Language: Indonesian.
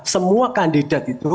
semua kandidat itu